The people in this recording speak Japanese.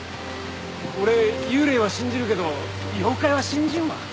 俺幽霊は信じるけど妖怪は信じんわ。